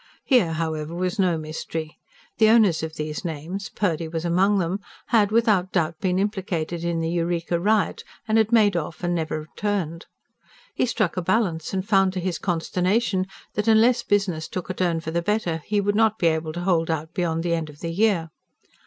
Here however was no mystery. The owners of these names Purdy was among them had without doubt been implicated in the Eureka riot, and had made off and never returned. He struck a balance, and found to his consternation that, unless business took a turn for the better, he would not be able to hold out beyond the end of the year.